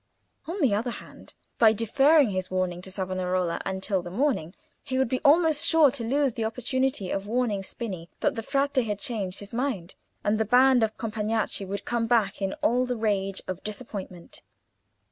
On the other hand, by deferring his warning to Savonarola until the morning, he would be almost sure to lose the opportunity of warning Spini that the Frate had changed his mind; and the band of Compagnacci would come back in all the rage of disappointment.